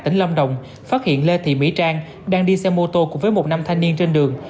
tỉnh lâm đồng phát hiện lê thị mỹ trang đang đi xe mô tô cùng với một nam thanh niên trên đường